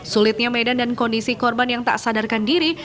sulitnya medan dan kondisi korban yang tak sadarkan diri